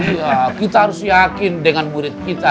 ya kita harus yakin dengan murid kita